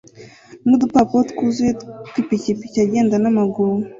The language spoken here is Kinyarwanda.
nudupapuro twuzuye twipikipiki agenda mumaguru